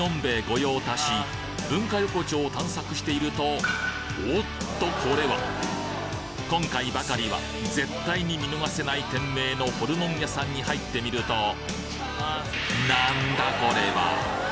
御用達文化横丁を探索しているとおっとこれは今回ばかりは絶対に見逃せない店名のホルモン屋さんに入ってみると何だこれは！？